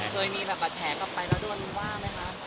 เคยมีแบบบาดแผลกลับไปแล้วโดนว่าไหมคะ